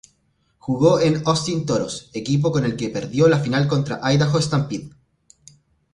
Jugó en Austin Toros, equipo con el que perdió la final contra Idaho Stampede.